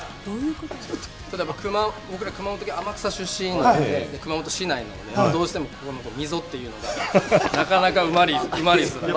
僕ら熊本県天草出身で彼、熊本市出身なんで、どうしても溝っていうのが、なかなか埋まりづらい。